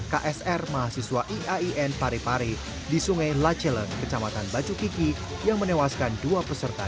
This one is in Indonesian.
ksr mahasiswa iain parepare di sungai laceleng kecamatan bacukiki yang menewaskan dua peserta